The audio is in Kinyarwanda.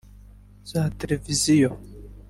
za televiziyo